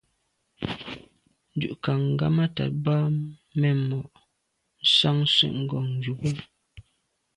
Ndù kà ghammatat boa memo’ nsan se’ ngom yube.